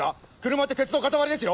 車って鉄の塊ですよ。